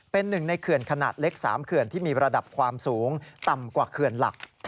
เป็นหนึ่งในเขื่อนขนาดเล็ก๓เขื่อนที่มีระดับความสูงต่ำกว่าเขื่อนหลัก